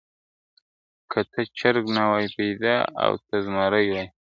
که ته چرګ نه وای پیدا، او ته زمری وای ..